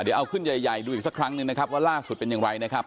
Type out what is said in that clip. เดี๋ยวเอาขึ้นใหญ่ดูอีกสักครั้งหนึ่งนะครับว่าล่าสุดเป็นอย่างไรนะครับ